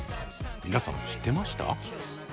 皆さん知ってました？